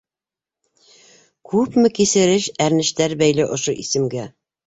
Күпме кисереш- әрнештәр бәйле ошо исемгә!